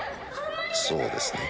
そうですね？